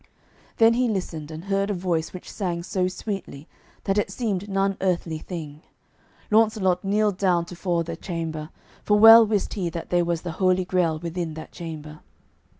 Then he listened, and heard a voice which sang so sweetly that it seemed none earthly thing. Launcelot kneeled down tofore the chamber, for well wist he that there was the Holy Grail within that chamber.